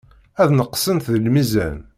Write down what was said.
Ad neqsent deg lmizan.